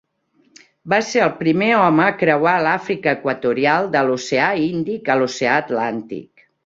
Va ser el primer home a creuar l'Àfrica Equatorial de l'oceà Índic a l'oceà Atlàntic.